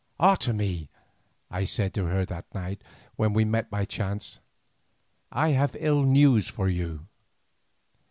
"Otomie," I said to her that night, when we met by chance, "I have ill news for you."